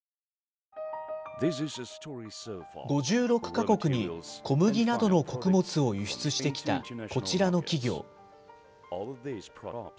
５６か国に小麦などの穀物を輸出してきたこちらの企業。